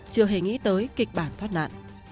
chưa hề nghĩ tới kịch bản thoát nạn